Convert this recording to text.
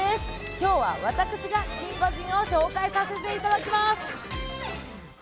きょうは私がキンゴジンを紹介させていただきます。